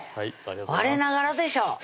われながらでしょ